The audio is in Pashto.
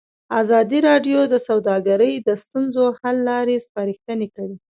ازادي راډیو د سوداګري د ستونزو حل لارې سپارښتنې کړي.